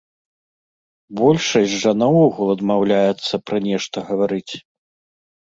Большасць жа наогул адмаўляецца пра нешта гаварыць.